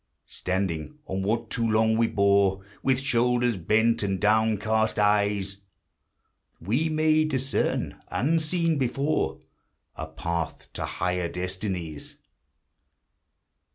Standing on what too long we bore With shoulders bent and downcast eyes, We may discern — unseen before — A path to higher destinies.